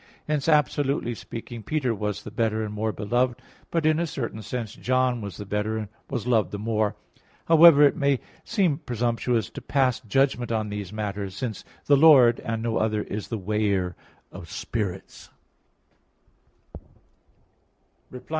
Hence, absolutely speaking, Peter was the better and more beloved; but, in a certain sense, John was the better, and was loved the more. However, it may seem presumptuous to pass judgment on these matters; since "the Lord" and no other "is the weigher of spirits" (Prov.